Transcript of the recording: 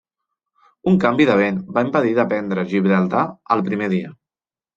Un canvi de vent va impedir de prendre Gibraltar el primer dia.